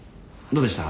どうでした？